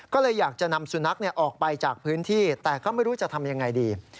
ก็เลยอยากจะนำสุนัขออกไปจากพื้นที่แต่ก็ไม่รู้จะทำยังไงดี